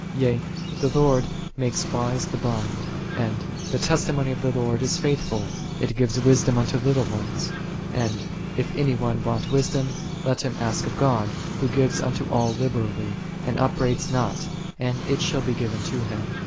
Yea, "The Lord maketh wise the blind:"8 and, "The testimony of the Lord is faithful, it giveth wisdom unto little ones:"' and, "If any one want wisdom, let him ask of God, Who giveth unto all liberally, and upbraideth not, and it shall be given to him."